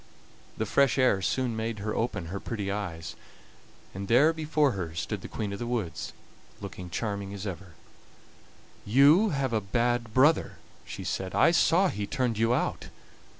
The fresh air soon made her open her pretty eyes, and there before her stood the Queen of the Woods, looking as charming as ever. "You have a bad brother," she said; "I saw he turned you out.